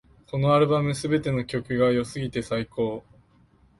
このアルバム、すべての曲が良すぎて最高